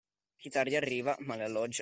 Chi tardi arriva, male alloggia.